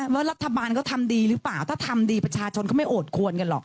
รัฐบาลก็ทำดีหรือเปล่าถ้าทำดีประชาชนก็ไม่โอดควรกันหรอก